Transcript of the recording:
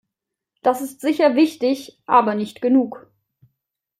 Das ist sicher wichtig, aber nicht genug.